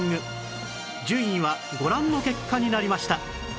順位はご覧の結果になりました